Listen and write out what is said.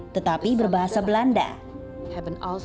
tetapi berbahasa bahasa